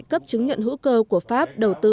cấp chứng nhận hữu cơ của pháp đầu tư